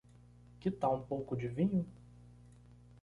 Que tal um pouco de vinho?